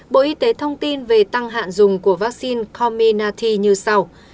bộ y tế thông tin về tăng hạn dùng của vaccine comminati như sau